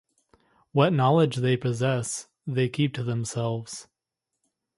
What knowledge they possess they keep to themselves.